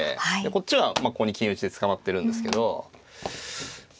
こっちはここに金打ちで捕まってるんですけど。